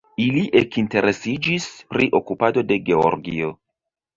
Ili ekinteresiĝis pri okupado de Georgio.